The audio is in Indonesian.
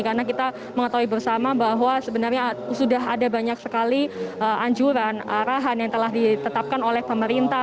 karena kita mengetahui bersama bahwa sebenarnya sudah ada banyak sekali anjuran arahan yang telah ditetapkan oleh pemerintah